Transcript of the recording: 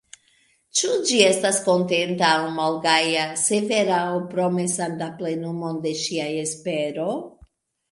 Ĉu ĝi estas kontenta aŭ malgaja, severa aŭ promesanta plenumon de ŝia espero?